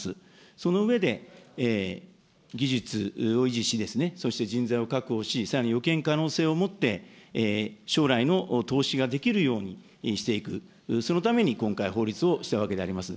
その上で、技術を維持し、そして人材を確保し、さらに予見可能性をもって、将来の投資ができるようにしていく、そのために今回法律をしたわけであります。